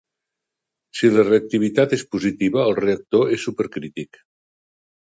Si la reactivitat és positiva, el reactor és supercrític.